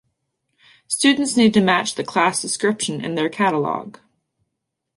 Students need to match the class description in their catalog.